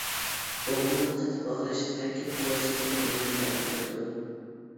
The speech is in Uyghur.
بوغۇملار قېتىپ ئاغرىش، ھەرىكەت قولايسىزلىققا مەنپەئەت قىلىدۇ.